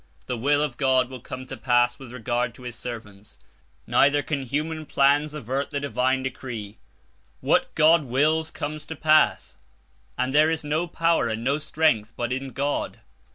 The will of God will come to pass with regard to His servants, neither can human plans avert the Divine decree. What God wishes comes to pass, and there is no power and no strength, but in God.